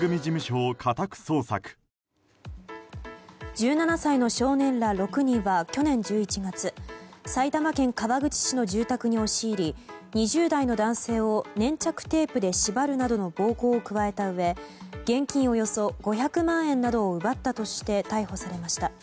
１７歳の少年ら６人は去年１１月埼玉県川口市の住宅に押し入り２０代の男性を粘着テープで縛るなどの暴行を加えたうえ現金およそ５００万円などを奪ったとして逮捕されました。